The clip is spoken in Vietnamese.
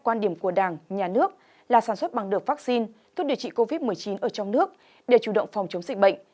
quan điểm của đảng nhà nước là sản xuất bằng được vaccine thuốc điều trị covid một mươi chín ở trong nước để chủ động phòng chống dịch bệnh